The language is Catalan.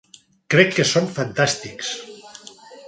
Crec que són fantàstics.